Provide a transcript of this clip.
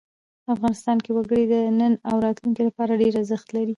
افغانستان کې وګړي د نن او راتلونکي لپاره ډېر ارزښت لري.